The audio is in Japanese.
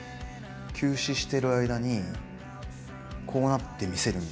休止してる間にこうなってみせるみたいな。